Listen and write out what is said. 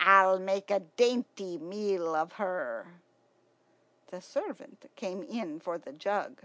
I'll make a dainty meal of her." The servant came in for the jug.